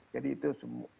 jadi itu semua